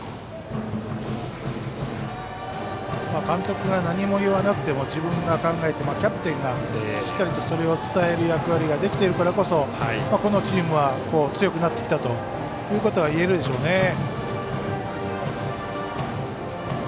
監督は何も言わなくても自分が考えてキャプテンがしっかりとそれを伝える役割ができているからこそこのチームは強くなってきたということがいえるでしょうね。